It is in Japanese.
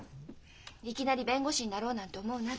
「いきなり弁護士になろうなんて思うな」